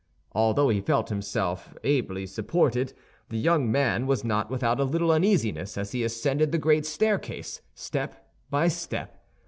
Although he felt himself ably supported, the young man was not without a little uneasiness as he ascended the great staircase, step by step.